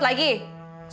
sebaliknya mau rezeki